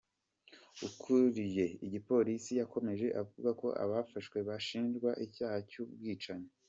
Ukuriye igipolisi yakomeje avuga ko abafashwe bashinjwa icyaha cy’ubwicanyi.